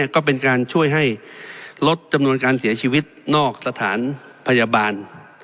ก็เป็นการช่วยให้ลดจำนวนการเสียชีวิตนอกสถานพยาบาล